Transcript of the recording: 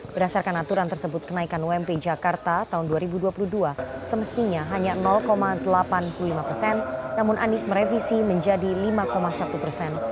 berdasarkan aturan tersebut kenaikan ump jakarta tahun dua ribu dua puluh dua semestinya hanya delapan puluh lima persen namun anies merevisi menjadi lima satu persen